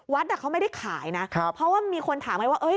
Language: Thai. วัดอะเขาไม่ได้ขายนะเพราะว่ามีคนถามไว้ว่า